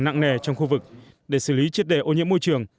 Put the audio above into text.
nặng nề trong khu vực để xử lý triệt đề ô nhiễm môi trường